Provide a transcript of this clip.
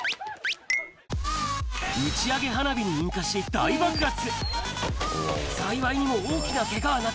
打ち上げ花火に引火し、大爆発。